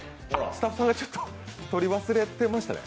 スタッフさんがちょっと取り忘れてますね。